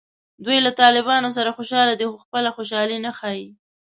دوی له طالبانو سره خوشحاله دي خو خپله خوشحالي نه ښیي